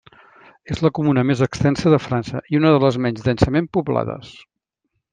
És la comuna més extensa de França, i una de les menys densament poblades.